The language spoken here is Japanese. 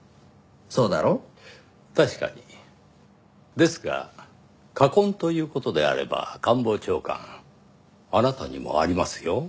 ですが禍根という事であれば官房長官あなたにもありますよ。